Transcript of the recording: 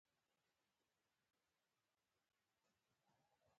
راکټ د نړیوالو جګړو برخه ده